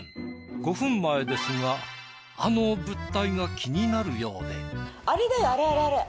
５分前ですがあの物体が気になるようで。